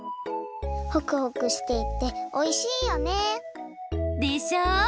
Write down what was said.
ホクホクしていておいしいよね。でしょ。